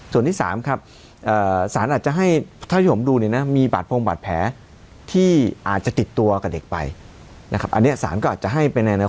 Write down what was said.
ส่วนที่๓ครับสารอาจจะให้เท่าที่ผมดูเนี่ยนะมีบาดพงบาดแผลที่อาจจะติดตัวกับเด็กไปนะครับอันนี้สารก็อาจจะให้ไปในแนว